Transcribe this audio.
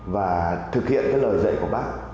và thực hiện lời dạy của bác